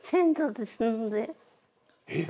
えっ？